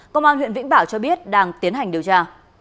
công an huyện vĩnh bảo cho biết đang tiến hành điều tra